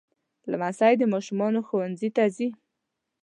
لمسی د ماشومانو ښوونځي ته ځي.